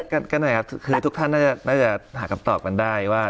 ก็หน่อยครับคือทุกท่านน่าจะหาคำตอบกันได้ว่า